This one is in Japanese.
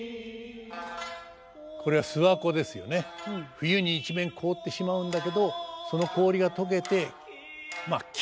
冬に一面凍ってしまうんだけどその氷が解けてキラキラしている情景。